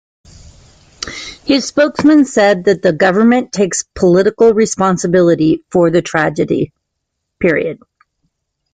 His spokesman said that "the government takes political responsibility for the tragedy".